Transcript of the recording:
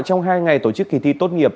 trong hai ngày tổ chức kỳ thi tốt nghiệp